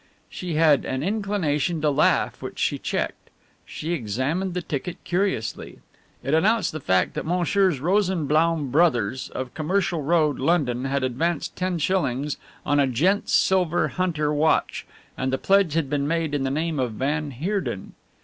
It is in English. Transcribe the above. She had an inclination to laugh which she checked. She examined the ticket curiously. It announced the fact that Messrs. Rosenblaum Bros., of Commercial Road, London, had advanced ten shillings on a "Gents' Silver Hunter Watch," and the pledge had been made in the name of van Heerden!